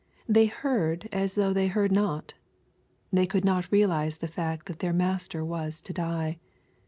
They heard M though they heard not. They could not realize the fact that their Master was to die.